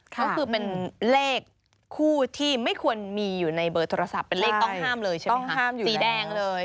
ก็คือเป็นเลขคู่ที่ไม่ควรมีอยู่ในเบอร์โทรศัพท์เป็นเลขต้องห้ามเลยใช่ไหมคะสีแดงเลย